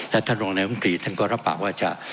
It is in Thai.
และท่านรองนายมตรีท่านก็รับปากว่าจะ